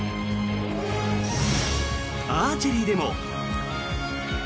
アーチェリーでも。